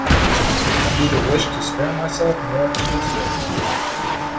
I neither wish to spare myself nor to be spared.